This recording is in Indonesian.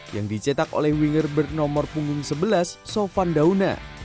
yang dicetak oleh winger bernomor punggung sebelas sofan dauna